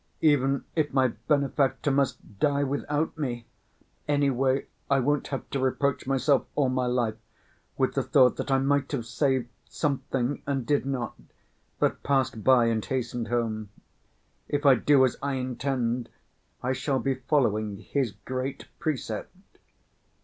"Even if my benefactor must die without me, anyway I won't have to reproach myself all my life with the thought that I might have saved something and did not, but passed by and hastened home. If I do as I intend, I shall be following his great precept."